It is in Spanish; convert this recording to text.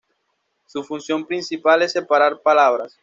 Su función principal es separar palabras.